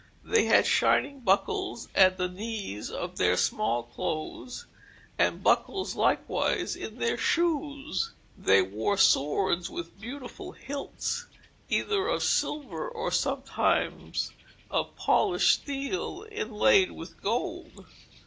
They had shining buckles at the knees of their small clothes, and buckles likewise in their shoes. They wore swords, with beautiful hilts, either of silver, or sometimes of polished steel, inlaid with gold."